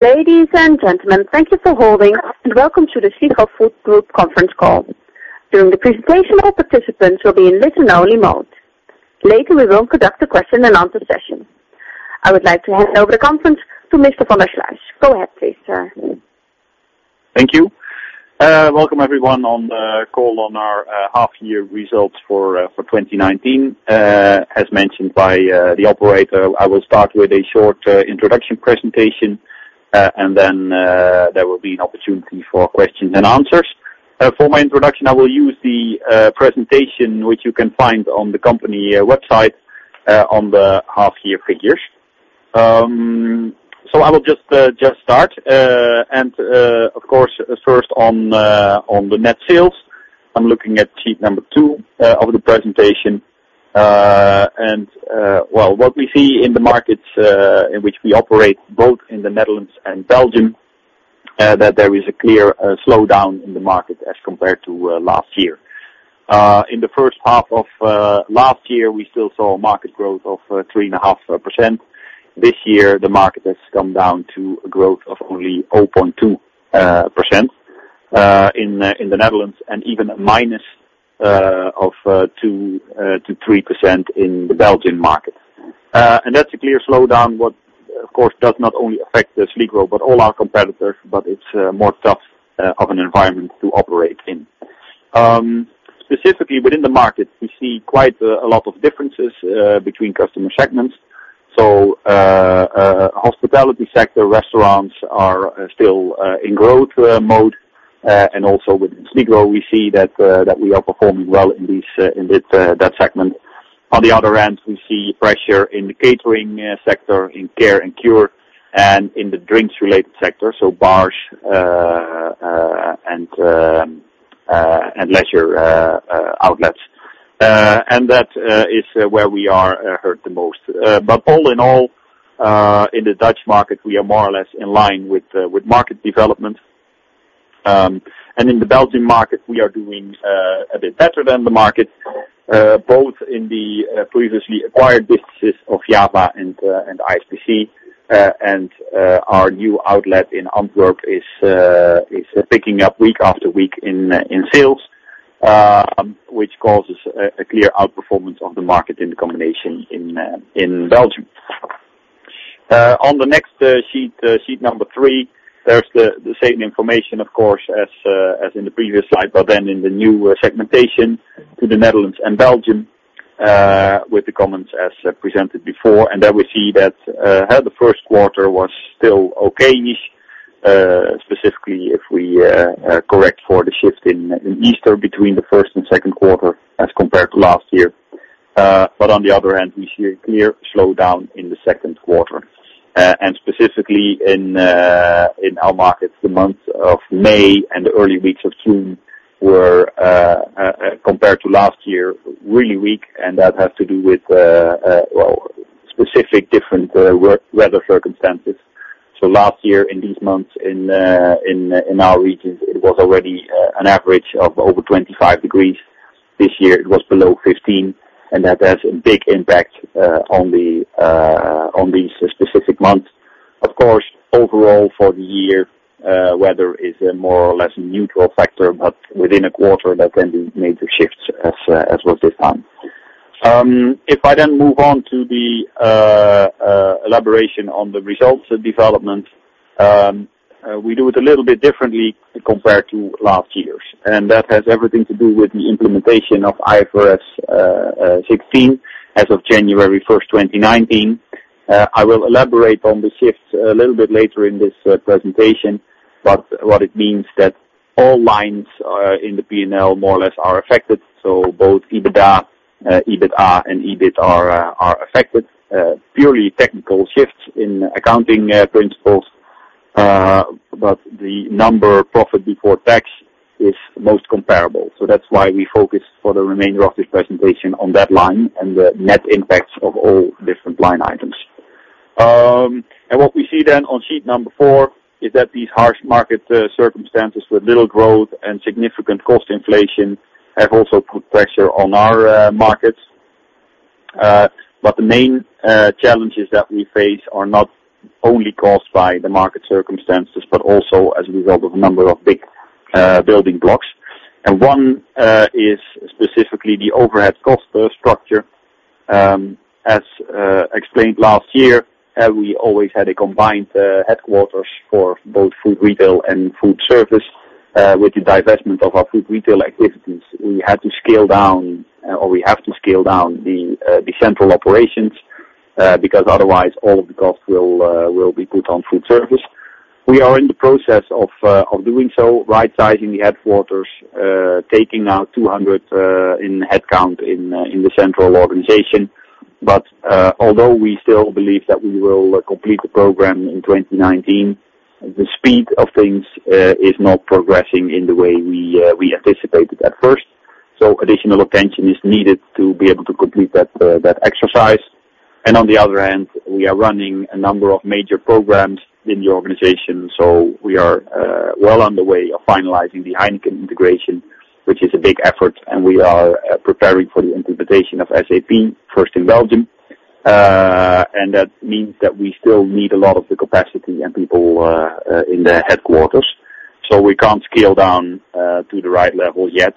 Ladies and gentlemen, thank you for holding, and welcome to the Sligro Food Group conference call. During the presentation, all participants will be in listen only mode. Later, we will conduct a question and answer session. I would like to hand over the conference to Mr. Van der Sluijs. Go ahead, please, sir. Thank you. Welcome everyone on the call on our half year results for 2019. As mentioned by the operator, I will start with a short introduction presentation, then there will be an opportunity for questions and answers. For my introduction, I will use the presentation which you can find on the company website on the half year figures. I will just start. Of course, first on the net sales. I'm looking at sheet number two of the presentation. What we see in the markets in which we operate, both in the Netherlands and Belgium, that there is a clear slowdown in the market as compared to last year. In the first half of last year, we still saw a market growth of 3.5%. This year, the market has come down to a growth of only 0.2% in the Netherlands, and even a minus of 2%-3% in the Belgian market. That's a clear slowdown, what, of course, does not only affect the Sligro but all our competitors, but it's a more tough of an environment to operate in. Specifically within the market, we see quite a lot of differences between customer segments. Hospitality sector restaurants are still in growth mode, also within Sligro, we see that we are performing well in that segment. On the other end, we see pressure in the catering sector, in care and cure, and in the drinks related sector, so bars and leisure outlets. That is where we are hurt the most. All in all, in the Dutch market, we are more or less in line with market development. In the Belgian market, we are doing a bit better than the market, both in the previously acquired businesses of JAVA and ISPC. Our new outlet in Antwerp is picking up week after week in sales, which causes a clear outperformance of the market in the combination in Belgium. On the next sheet number three, there's the same information, of course, as in the previous slide, in the new segmentation to the Netherlands and Belgium, with the comments as presented before. There we see that the first quarter was still okay-ish, specifically if we correct for the shift in Easter between the first and second quarter as compared to last year. On the other hand, we see a clear slowdown in the second quarter. Specifically in our markets, the months of May and the early weeks of June were, compared to last year, really weak. That has to do with specific different weather circumstances. Last year in these months in our regions, it was already an average of over 25 degrees. This year it was below 15, and that has a big impact on these specific months. Of course, overall for the year, weather is a more or less neutral factor, but within a quarter, there can be major shifts as was this time. If I move on to the elaboration on the results development, we do it a little bit differently compared to last year's. That has everything to do with the implementation of IFRS 16 as of January 1st, 2019. I will elaborate on the shift a little bit later in this presentation. What it means that all lines in the P&L more or less are affected, both EBITDA and EBIT are affected. Purely technical shifts in accounting principles, but the number profit before tax is most comparable. That's why we focus for the remainder of this presentation on that line and the net impacts of all different line items. What we see on sheet number four is that these harsh market circumstances with little growth and significant cost inflation have also put pressure on our markets. The main challenges that we face are not only caused by the market circumstances, but also as a result of a number of big building blocks. One is specifically the overhead cost structure. As explained last year, we always had a combined headquarters for both food retail and food service. With the divestment of our food retail activities, we have to scale down the central operations, because otherwise all of the costs will be put on food service. We are in the process of doing so, rightsizing the headquarters, taking out 200 in headcount in the central organization. Although we still believe that we will complete the program in 2019, the speed of things is not progressing in the way we anticipated at first. Additional attention is needed to be able to complete that exercise. On the other hand, we are running a number of major programs in the organization. We are well on the way of finalizing the Heineken integration, which is a big effort, and we are preparing for the implementation of SAP, first in Belgium. That means that we still need a lot of the capacity and people in the headquarters. We can't scale down to the right level yet.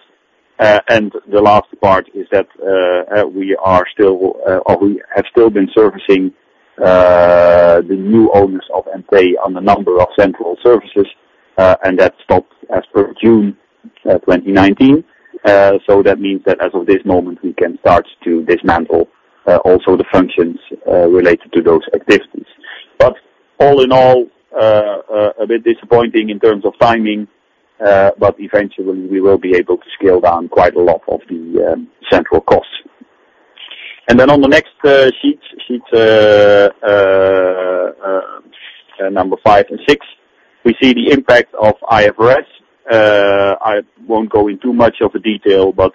The last part is that we have still been servicing the new owners of EMTÉ on a number of central services, and that stopped as per June 2019. That means that as of this moment, we can start to dismantle also the functions related to those activities. All in all, a bit disappointing in terms of timing, but eventually we will be able to scale down quite a lot of the central costs. On the next sheet number five and six, we see the impact of IFRS. I won't go in too much of the detail, but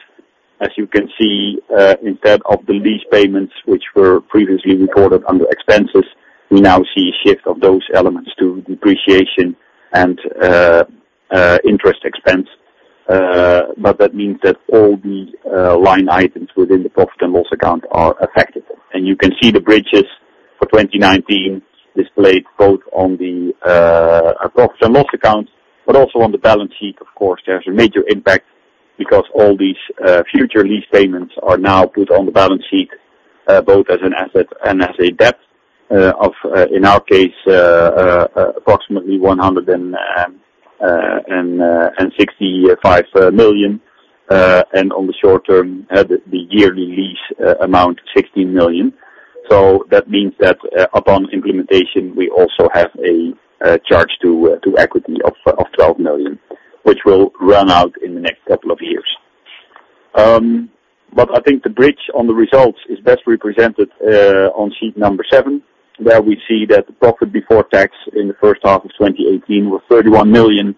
as you can see, instead of the lease payments, which were previously recorded under expenses, we now see a shift of those elements to depreciation and interest expense. That means that all the line items within the profit and loss account are affected. You can see the bridges for 2019 displayed both on the profit and loss account, but also on the balance sheet. Of course, there's a major impact because all these future lease payments are now put on the balance sheet, both as an asset and as a debt of, in our case, approximately 165 million. On the short term, the yearly lease amount, 16 million. That means that upon implementation, we also have a charge to equity of 12 million, which will run out in the next couple of years. I think the bridge on the results is best represented on sheet number seven, where we see that the profit before tax in the first half of 2018 was 31 million,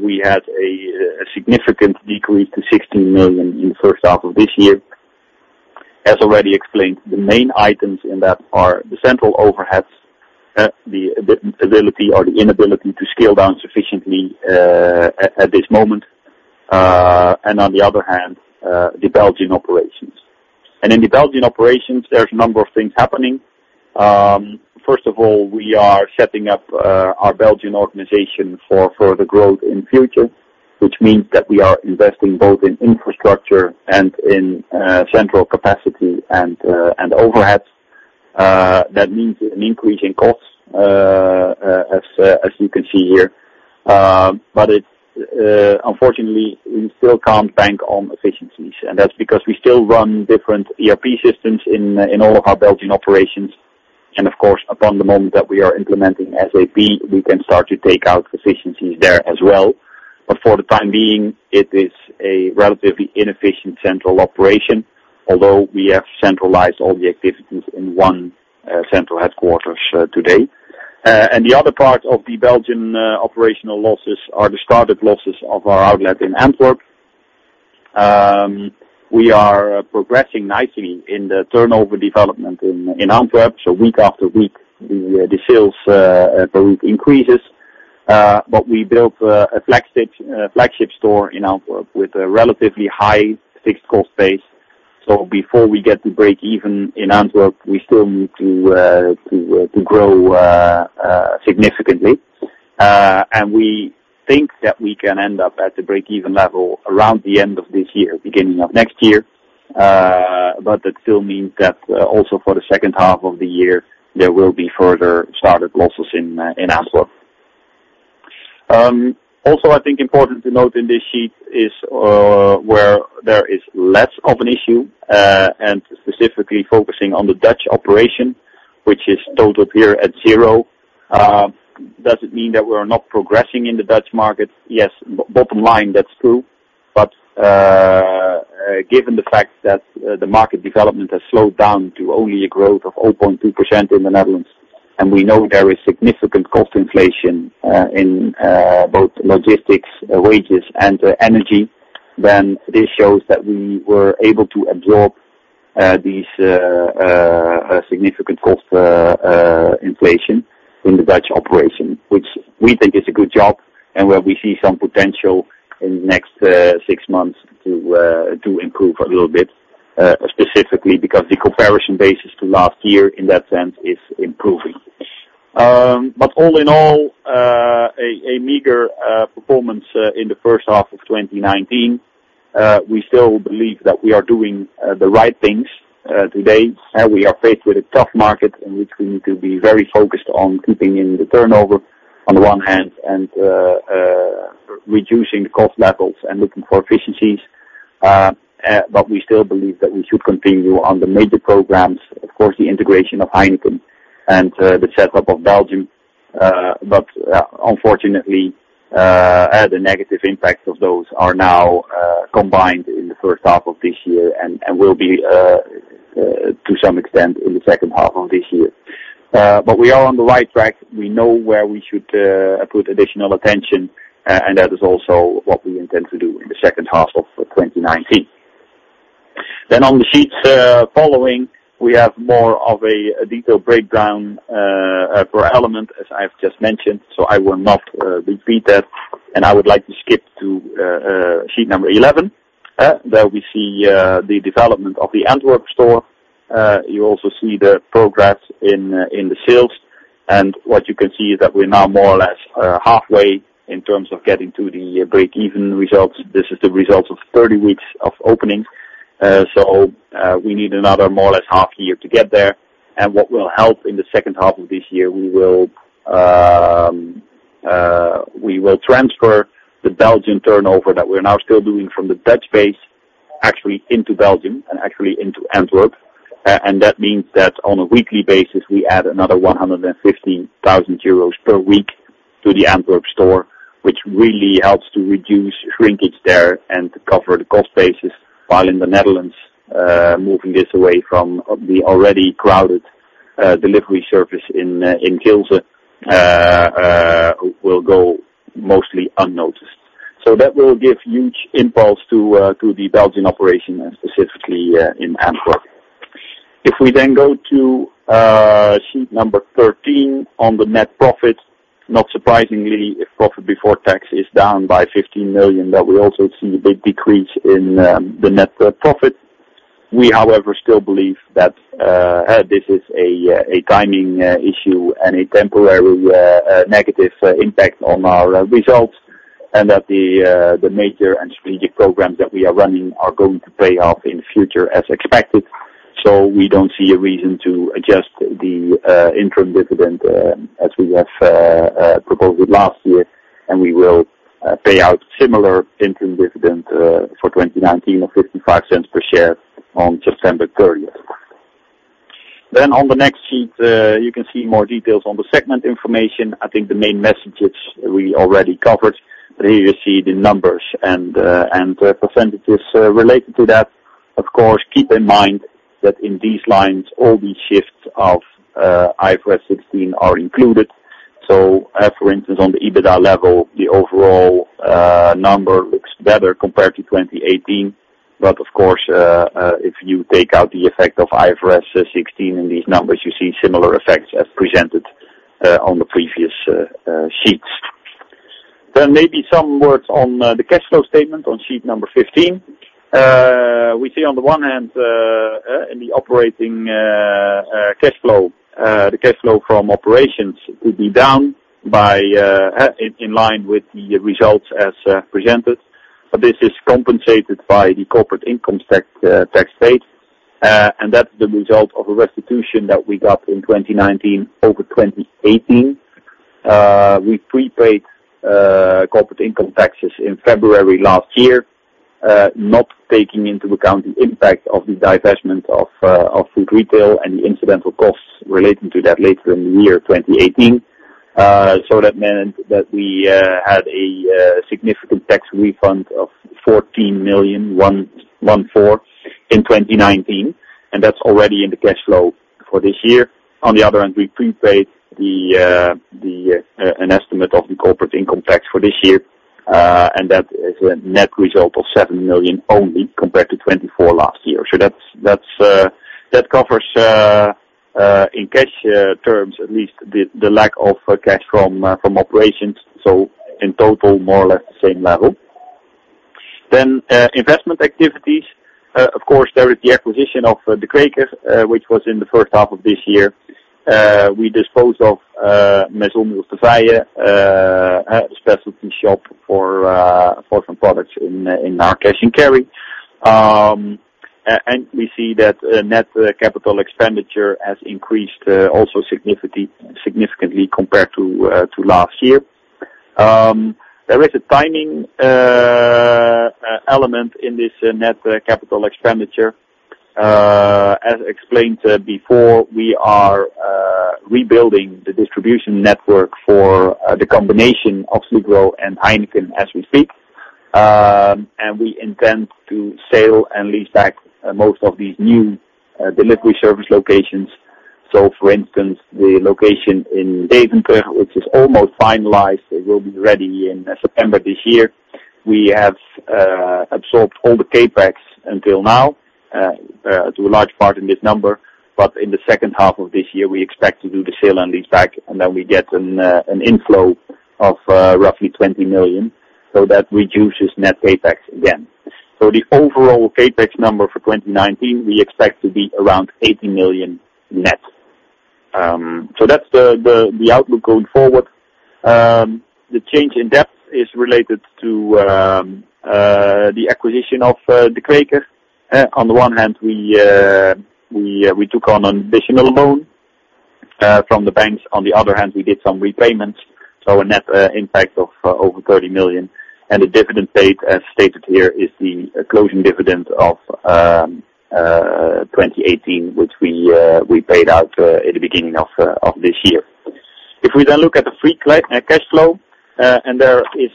we had a significant decrease to 16 million in the first half of this year. As already explained, the main items in that are the central overheads, the ability or the inability to scale down sufficiently at this moment, and on the other hand, the Belgian operations. In the Belgian operations, there's a number of things happening. First of all, we are setting up our Belgian organization for further growth in future, which means that we are investing both in infrastructure and in central capacity and overheads. That means an increase in costs, as you can see here. Unfortunately, we still can't bank on efficiencies, and that's because we still run different ERP systems in all of our Belgian operations. Of course, upon the moment that we are implementing SAP, we can start to take out efficiencies there as well. For the time being, it is a relatively inefficient central operation, although we have centralized all the activities in one central headquarters today. The other part of the Belgian operational losses are the startup losses of our outlet in Antwerp. We are progressing nicely in the turnover development in Antwerp. Week after week, the sales per week increases. We built a flagship store in Antwerp with a relatively high fixed cost base. Before we get to breakeven in Antwerp, we still need to grow significantly. We think that we can end up at the breakeven level around the end of this year, beginning of next year. That still means that also for the second half of the year, there will be further startup losses in Antwerp. I think important to note in this sheet is where there is less of an issue, specifically focusing on the Dutch operation, which is totaled here at zero. Does it mean that we're not progressing in the Dutch market? Yes, bottom line, that's true. Given the fact that the market development has slowed down to only a growth of 0.2% in the Netherlands, and we know there is significant cost inflation in both logistics, wages, and energy, this shows that we were able to absorb this significant cost inflation in the Dutch operation. Which we think is a good job, and where we see some potential in the next six months to improve a little bit, specifically because the comparison basis to last year in that sense is improving. All in all, a meager performance in the first half of 2019. We still believe that we are doing the right things today. We are faced with a tough market in which we need to be very focused on keeping in the turnover, on the one hand, and reducing the cost levels and looking for efficiencies. We still believe that we should continue on the major programs. Of course, the integration of Heineken and the setup of Belgium. Unfortunately, the negative impacts of those are now combined in the first half of this year and will be, to some extent, in the second half of this year. We are on the right track. We know where we should put additional attention, and that is also what we intend to do in the second half of 2019. On the sheets following, we have more of a detailed breakdown per element, as I've just mentioned, so I will not repeat that. I would like to skip to sheet number 11. There we see the development of the Antwerp store. You also see the progress in the sales. What you can see is that we're now more or less halfway in terms of getting to the breakeven results. This is the results of 30 weeks of opening. We need another more or less half year to get there. What will help in the second half of this year, we will transfer the Belgian turnover that we're now still doing from the Dutch base, actually into Belgium and actually into Antwerp. That means that on a weekly basis, we add another 150,000 euros per week to the Antwerp store, which really helps to reduce shrinkage there and to cover the cost basis, while in the Netherlands, moving this away from the already crowded delivery surface in Gilze will go mostly unnoticed. That will give huge impulse to the Belgian operation and specifically in Antwerp. If we go to sheet number 13 on the net profit, not surprisingly, if profit before tax is down by 15 million, that we also see a big decrease in the net profit. We, however, still believe that this is a timing issue and a temporary negative impact on our results, and that the major and strategic programs that we are running are going to pay off in the future as expected. We don't see a reason to adjust the interim dividend as we have proposed it last year, and we will pay out similar interim dividend for 2019 of 0.55 per share on September 30th. On the next sheet, you can see more details on the segment information. I think the main messages we already covered, but here you see the numbers and the percentages related to that. Of course, keep in mind that in these lines, all the shifts of IFRS 16 are included. For instance, on the EBITDA level, the overall number looks better compared to 2018. Of course, if you take out the effect of IFRS 16 in these numbers, you see similar effects as presented on the previous sheets. Maybe some words on the cash flow statement on sheet number 15. We see on the one hand, in the operating cash flow, the cash flow from operations will be down in line with the results as presented. This is compensated by the corporate income tax paid. That's the result of a restitution that we got in 2019 over 2018. We prepaid corporate income taxes in February last year, not taking into account the impact of the divestment of food retail and the incidental costs relating to that later in the year 2018. That meant that we had a significant tax refund of 14 million in 2019, and that's already in the cash flow for this year. On the other hand, we prepaid an estimate of the corporate income tax for this year, and that is a net result of 7 million only compared to 24 million last year. That covers, in cash terms at least, the lack of cash from operations. In total, more or less the same level. Investment activities. Of course, there is the acquisition of De Kweker, which was in the first half of this year. We dispose of Maison 1251, a specialty shop for some products in our cash and carry. We see that net CapEx has increased also significantly compared to last year. There is a timing element in this net CapEx. As explained before, we are rebuilding the distribution network for the combination of Sligro and Heineken as we speak. We intend to sell and lease back most of these new delivery service locations. For instance, the location in Deventer, which is almost finalized, it will be ready in September this year. We have absorbed all the CapEx until now, to a large part in this number, but in the second half of this year, we expect to do the sale and lease back, then we get an inflow of roughly 20 million. That reduces net CapEx again. The overall CapEx number for 2019, we expect to be around 80 million net. That's the outlook going forward. The change in depth is related to the acquisition of De Kweker. On the one hand, we took on an additional loan from the banks. On the other hand, we did some repayments, a net impact of over 30 million. The dividend paid, as stated here, is the closing dividend of 2018, which we paid out at the beginning of this year. If we look at the free cash flow, there is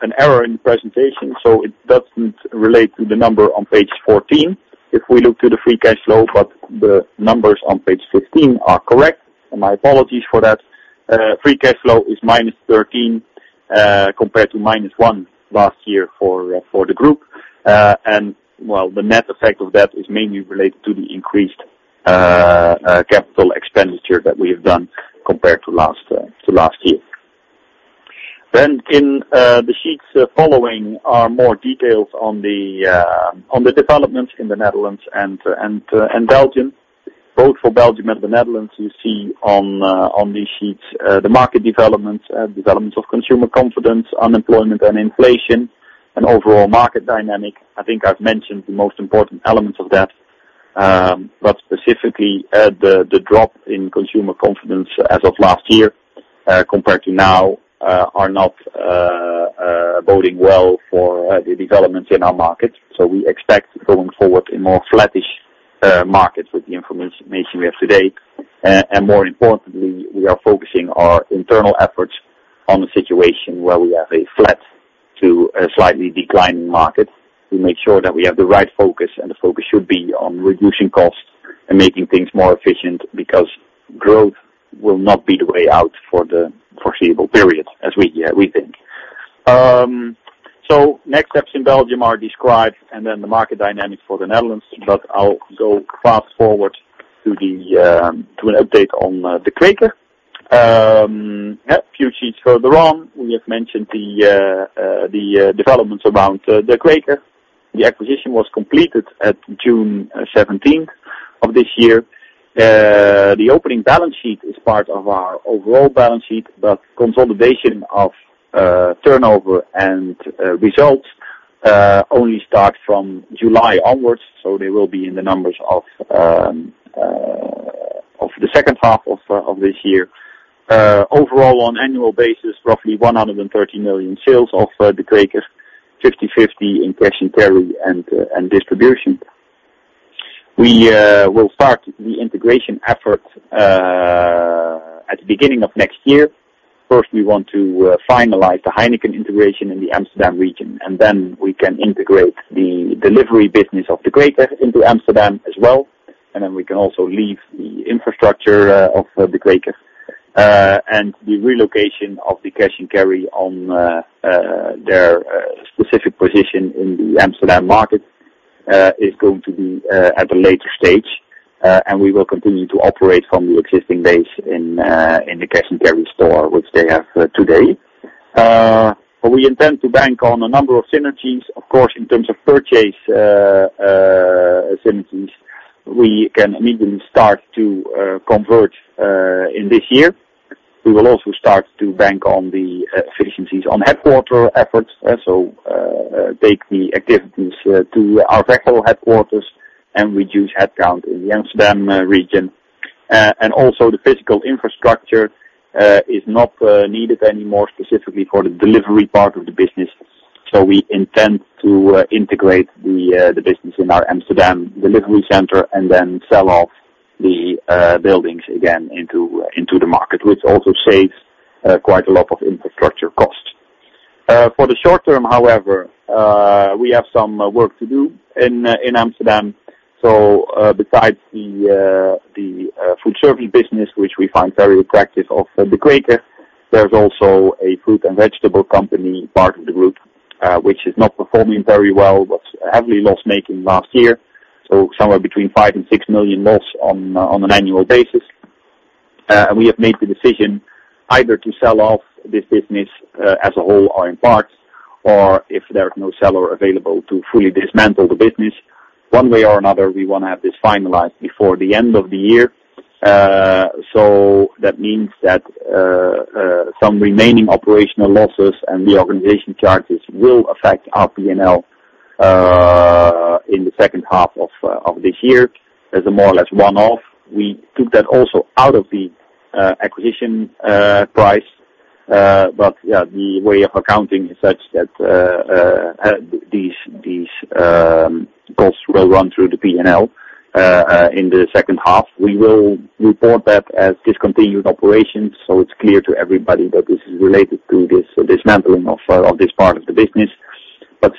an error in the presentation, so it doesn't relate to the number on page 14. If we look to the free cash flow, but the numbers on page 15 are correct, my apologies for that. Free cash flow is -13 million compared to -1 million last year for the group. The net effect of that is mainly related to the increased capital expenditure that we have done compared to last year. In the sheets following are more details on the developments in the Netherlands and Belgium. Both for Belgium and the Netherlands, you see on these sheets the market developments of consumer confidence, unemployment and inflation, and overall market dynamic. I think I've mentioned the most important elements of that. Specifically, the drop in consumer confidence as of last year compared to now are not boding well for the developments in our market. We expect, going forward, a more flattish market with the information we have today. More importantly, we are focusing our internal efforts on the situation where we have a flat to a slightly declining market. We make sure that we have the right focus, and the focus should be on reducing costs and making things more efficient, because growth will not be the way out for the foreseeable period, as we think. Next steps in Belgium are described, then the market dynamics for the Netherlands. I'll go fast-forward to an update on De Kweker. A few sheets further on, we have mentioned the developments around De Kweker. The acquisition was completed at June 17th of this year. The opening balance sheet is part of our overall balance sheet, consolidation of turnover and results only start from July onwards, they will be in the numbers of the second half of this year. Overall, on annual basis, roughly 130 million sales of De Kweker, 50/50 in cash and carry and distribution. We will start the integration effort at the beginning of next year. First, we want to finalize the Heineken integration in the Amsterdam region, then we can integrate the delivery business of De Kweker into Amsterdam as well. Then we can also lease the infrastructure of De Kweker. The relocation of the cash and carry on their specific position in the Amsterdam market is going to be at a later stage. We will continue to operate from the existing base in the cash and carry store, which they have today. We intend to bank on a number of synergies. Of course, in terms of purchase synergies, we can immediately start to convert in this year. We will also start to bank on the efficiencies on headquarter efforts, take the activities to our Veghel headquarters and reduce headcount in the Amsterdam region. Also the physical infrastructure is not needed anymore, specifically for the delivery part of the business. We intend to integrate the business in our Amsterdam delivery center and then sell off the buildings again into the market, which also saves quite a lot of infrastructure costs. For the short term, however, we have some work to do in Amsterdam. Besides the food service business, which we find very attractive of De Kweker, there's also a fruit and vegetable company part of the group, which is not performing very well, was heavily loss-making last year, somewhere between 5 million-6 million loss on an annual basis. We have made the decision either to sell off this business as a whole or in parts, or if there is no seller available, to fully dismantle the business. One way or another, we want to have this finalized before the end of the year. That means that some remaining operational losses and reorganization charges will affect our P&L in the second half of this year as a more or less one-off. We took that also out of the acquisition price. The way of accounting is such that these costs will run through the P&L in the second half. We will report that as discontinued operations, it's clear to everybody that this is related to this dismantling of this part of the business.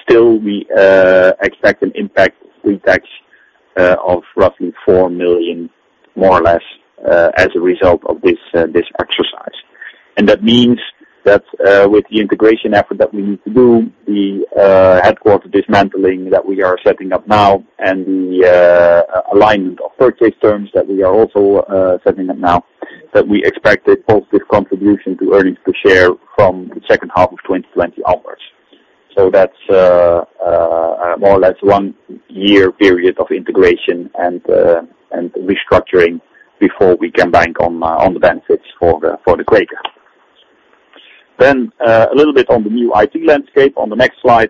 Still, we expect an impact pretax of roughly 4 million, more or less, as a result of this exercise. That means that with the integration effort that we need to do, the headquarter dismantling that we are setting up now, and the alignment of purchase terms that we are also setting up now, that we expect a positive contribution to earnings per share from the second half of 2020 onwards. That's more or less one-year period of integration and restructuring before we can bank on the benefits for De Kweker. A little bit on the new IT landscape on the next slide.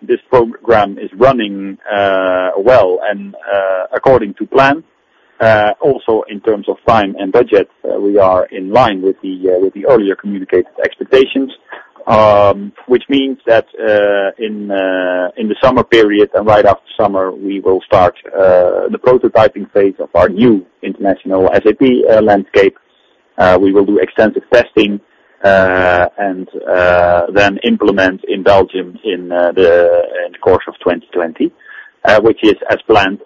This program is running well and according to plan. Also in terms of time and budget, we are in line with the earlier communicated expectations. Which means that in the summer period and right after summer, we will start the prototyping phase of our new international SAP landscape. We will do extensive testing, and then implement in Belgium in the course of 2020, which is as planned.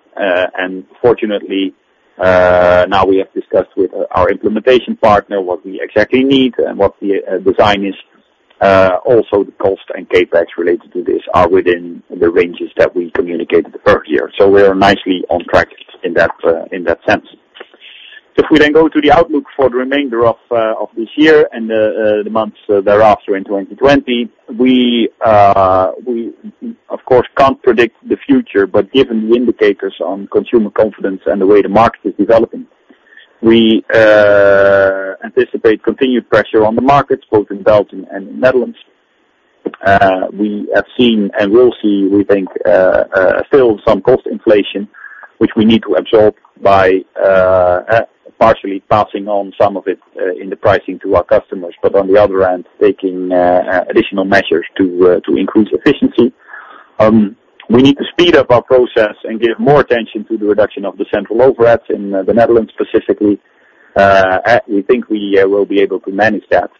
Fortunately, now we have discussed with our implementation partner what we exactly need and what the design is. Also the cost and CapEx related to this are within the ranges that we communicated earlier. We are nicely on track in that sense. If we go to the outlook for the remainder of this year and the months thereafter in 2020, we, of course, can't predict the future, given the indicators on consumer confidence and the way the market is developing, we anticipate continued pressure on the markets, both in Belgium and the Netherlands. We have seen and will see, we think, still some cost inflation, which we need to absorb by partially passing on some of it in the pricing to our customers. On the other hand, taking additional measures to increase efficiency. We need to speed up our process and give more attention to the reduction of the central overheads in the Netherlands specifically. We think we will be able to manage that,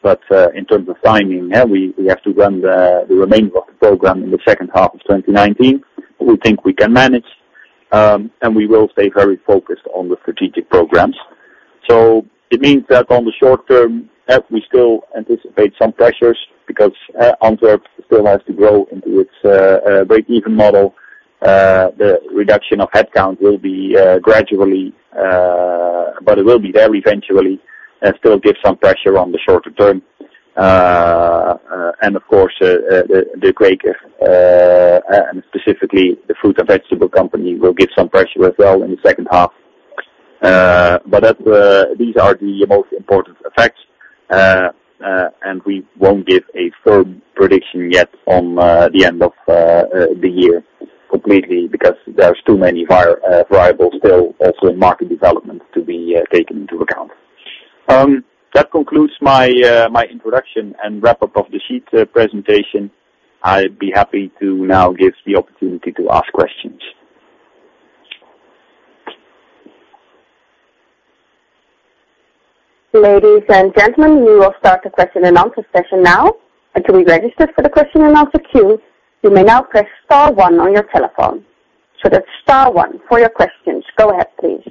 in terms of timing, we have to run the remainder of the program in the second half of 2019. We think we can manage, we will stay very focused on the strategic programs. It means that in the short term, we still anticipate some pressures because Antwerp still has to grow into its breakeven model. The reduction of headcount will be gradually, it will be there eventually and still give some pressure on the shorter term. Of course, De Kweker, and specifically the fruit and vegetable company, will give some pressure as well in the second half. These are the most important effects, we won't give a firm prediction yet on the end of the year completely because there's too many variables still also in market development to be taken into account. That concludes my introduction and wrap-up of the sheet presentation. I'd be happy to now give the opportunity to ask questions. Ladies and gentlemen, we will start the question and answer session now. To be registered for the question and answer queue, you may now press star one on your telephone. That's star one for your questions. Go ahead, please.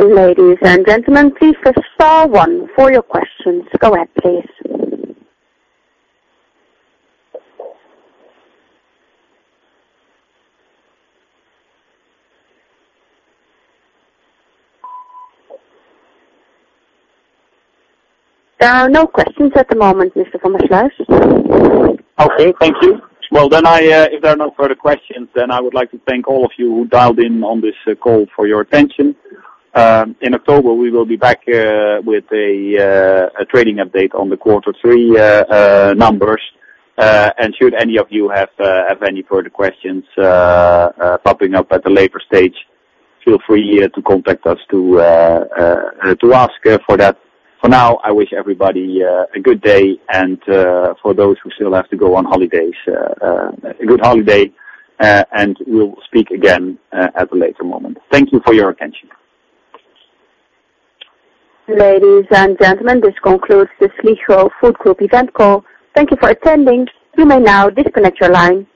Ladies and gentlemen, please press star one for your questions. Go ahead, please. There are no questions at the moment, Mr. Van der Sluijs. Okay, thank you. If there are no further questions, I would like to thank all of you who dialed in on this call for your attention. In October, we will be back with a trading update on the quarter three numbers. Should any of you have any further questions popping up at a later stage, feel free to contact us to ask for that. For now, I wish everybody a good day, and for those who still have to go on holidays, a good holiday, and we'll speak again at a later moment. Thank you for your attention. Ladies and gentlemen, this concludes the Sligro Food Group event call. Thank you for attending. You may now disconnect your line.